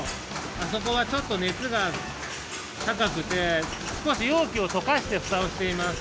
あそこはちょっとねつがたかくてすこしようきをとかしてふたをしています。